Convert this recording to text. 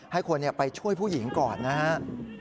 ให้คนไปช่วยผู้หญิงก่อนนะครับ